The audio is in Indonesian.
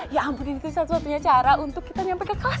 ya ampun ini tuh satu satunya cara untuk kita nyampe ke kelas